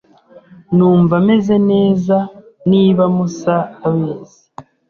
Numva meze neza niba Musa abizi.